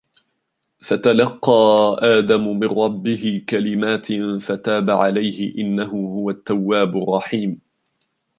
فَتَلَقَّى آدَمُ مِنْ رَبِّهِ كَلِمَاتٍ فَتَابَ عَلَيْهِ إِنَّهُ هُوَ التَّوَّابُ الرَّحِيمُ